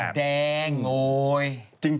บกนิสรฮันนิมูนเป็นการแสดงโง่ย